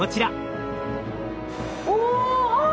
お！